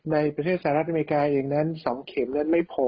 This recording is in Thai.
ในประเทศสหรัฐอเมริกาเองนั้น๒เข็มนั้นไม่พอ